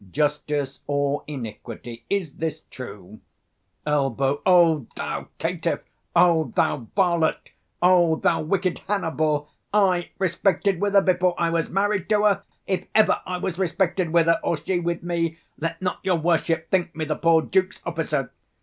Justice or Iniquity? Is this true? Elb. O thou caitiff! O thou varlet! O thou wicked 165 Hannibal! I respected with her before I was married to her! If ever I was respected with her, or she with me, let not your worship think me the poor duke's officer.